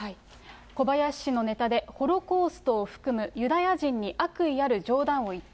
小林氏のネタでホロコーストを含むユダヤ人に悪意ある冗談を言った。